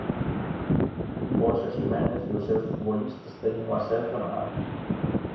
Borja Jiménez e os seus futbolistas teñen o ascenso na man.